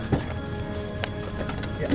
iya iya bener